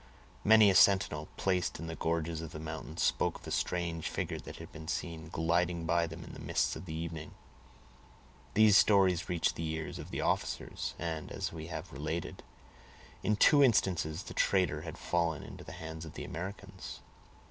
Many a sentinel, placed in the gorges of the mountains, spoke of a strange figure that had been seen gliding by them in the mists of the evening. These stories reached the ears of the officers, and, as we have related, in two instances the trader had fallen into the hands of the Americans.